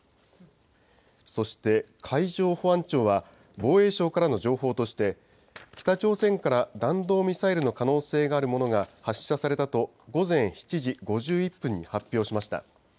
そして海上保安庁は、防衛省からの情報として、北朝鮮から弾道ミサイルの可能性があるものが発射されたと、午前７時５１分に発表しました。